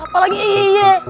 apa lagi eh eh eh